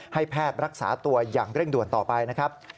ให้แพทย์รักษาตัวอย่างเร่งด่วนต่อไปนะครับ